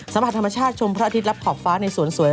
สัมผัสธรรมชาติชมพระอาทิตย์รับขอบฟ้าในสวนสวย